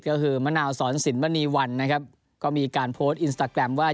ก็คือมะนาวสอนสินมณีวันนะครับก็มีการโพสต์อินสตาแกรมว่า